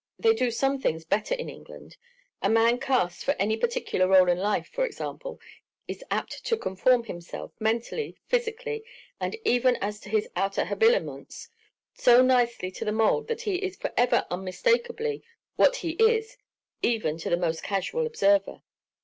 They do some things better in England; a man cast for any particular rôle in life, for example, is apt to conform himself, mentally, physically, and even as to his outer habiliments, so nicely to the mould that he is forever unmistakably what he is even to the most casual observer.